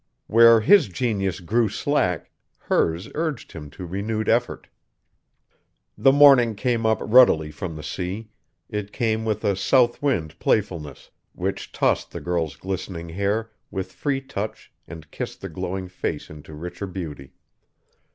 Where his genius grew slack, hers urged him to renewed effort. The morning came up ruddily from the sea; it came with a south wind playfulness, which tossed the girl's glistening hair with free touch and kissed the glowing face into richer beauty.